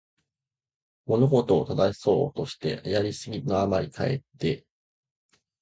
物事を正そうとして、やりすぎのあまりかえって新たに好ましくない事態をもたらしてしまうこと。「枉れるを矯めて直きに過ぐ」とも読む。